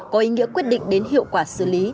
có ý nghĩa quyết định đến hiệu quả xử lý